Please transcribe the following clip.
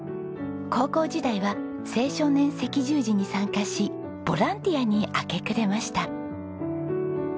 高校時代は青少年赤十字に参加しボランティアに明け暮れました。